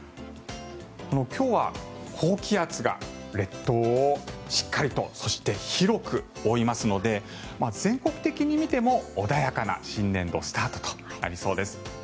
今日は高気圧が列島をしっかりとそして広く覆いますので全国的に見ても穏やかな新年度スタートとなりそうです。